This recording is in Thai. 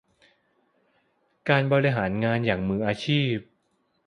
การบริหารงานอย่างมืออาชีพ